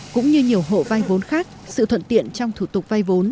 cũng như nhiều hộ vay vốn khác sự thuận tiện trong thủ tục vay vốn